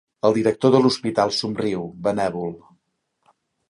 El director de l'hospital somriu, benèvol.